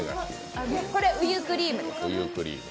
これ、ウユクリームです。